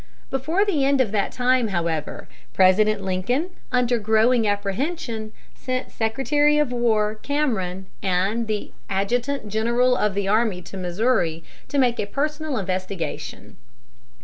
Before the end of that time, however, President Lincoln, under growing apprehension, sent Secretary of War Cameron and the adjutant general of the army to Missouri to make a personal investigation.